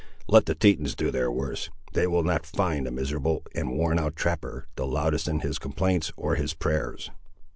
Let the Tetons do their worst; they will not find a miserable and worn out trapper the loudest in his complaints, or his prayers."